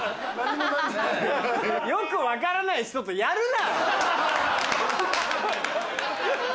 よく分からない人とやるな！